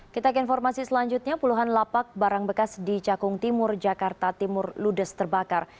kita ke informasi selanjutnya puluhan lapak barang bekas di cakung timur jakarta timur ludes terbakar